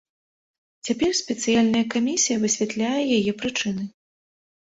Цяпер спецыяльная камісія высвятляе яе прычыны.